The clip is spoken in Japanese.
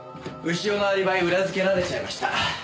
潮のアリバイ裏付けられちゃいました。